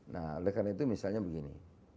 nah oleh karena itu misalnya begini